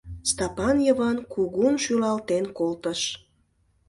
Стапан Йыван кугун шӱлалтен колтыш.